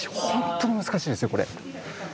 本当難しいですよこれ。